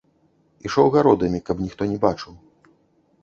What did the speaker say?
Ішоў гародамі, каб ніхто не бачыў.